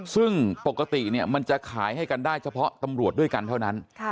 ซึ่งปกติมันจะขายให้กันได้เฉพาะตำรวจด้วยกันเท่านั้น